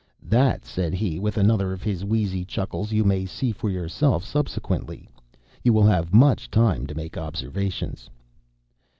"That," said he with another of his wheezy chuckles, "you may see for yourself subsequently. You will have much time to make observations."